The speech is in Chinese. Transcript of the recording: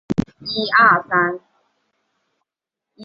高柏乡是中国陕西省延安市宜川县下辖的一个乡。